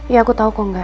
ya aku tau kok ngga